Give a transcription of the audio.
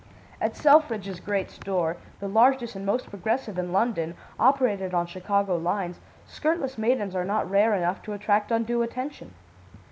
"At Selfridge's great store the largest and most progressive in London, operated on Chicago lines skirtless maidens are not rare enough to attract undue attention.